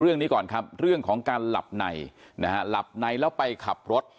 เรื่องนี้ก่อนครับเรื่องของการหลับในนะฮะหลับในแล้วไปขับรถ